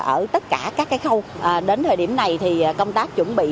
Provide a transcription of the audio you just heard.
ở tất cả các khâu đến thời điểm này thì công tác chuẩn bị